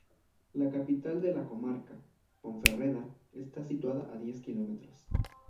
La capital de la comarca, Ponferrada está situada a diez km.